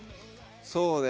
そうね